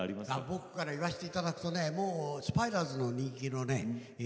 僕から言わせていただくとねもうスパイダースの人気のね